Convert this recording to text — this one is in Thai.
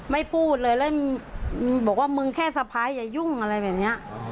พูดเลยแล้วบอกว่ามึงแค่สะพ้ายอย่ายุ่งอะไรแบบนี้